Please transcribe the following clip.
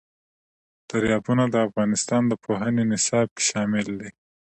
دریابونه د افغانستان د پوهنې نصاب کې شامل دي.